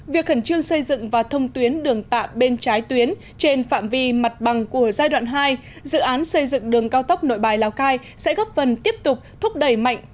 việc khẩn trương xây dựng và thông tuyến đường tạm bên trái tuyến trên phạm vi mặt bằng của giai đoạn hai dự án xây dựng đường cao tốc nội bài lào cai sẽ góp phần tiếp tục thúc đẩy mạnh